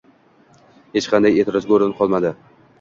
Hech qanday e'tirozga o'rin qolmadi.